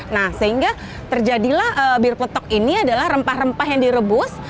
nah sehingga terjadilah bir peletok ini adalah rempah rempah yang direbus